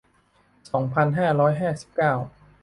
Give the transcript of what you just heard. สองพันห้าร้อยห้าสิบเก้า